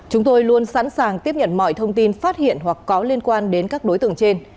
chúng tôi luôn sẵn sàng tiếp nhận mọi thông tin phát hiện hoặc có liên quan đến các đối tượng trên